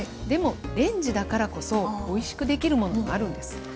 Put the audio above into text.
でもレンジだからこそおいしくできるものもあるんです。